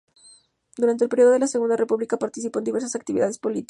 Durante el periodo de la Segunda República participó en diversas actividades políticas.